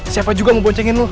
siapa juga mau boncengin lu